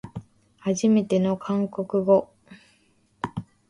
はじめての韓国語